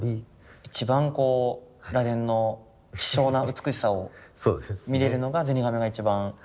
一番螺鈿の希少な美しさを見れるのがゼニガメが一番。